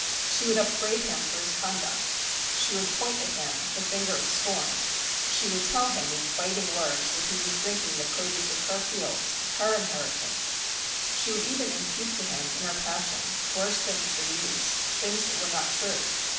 She would upbraid him for his conduct, she would point at him the finger of scorn, she would tell him in biting words that he was drinking the produce of her fields, of her inheritance; she would even impute to him, in her passion, worse things than these, things that were not true.